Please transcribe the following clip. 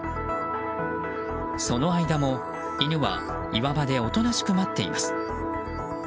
その間も、犬は岩場でおとなしく待っています。